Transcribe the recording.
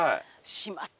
しまった。